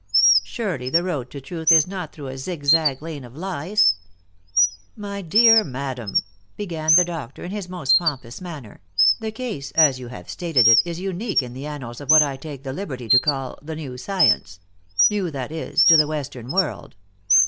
Surely the road to truth is not through a zigzag lane of lies! "My dear madam," began the doctor, in his most pompous manner, "the case as you have stated it is unique in the annals of what I take the liberty to call the new science new, that is, to the Western world.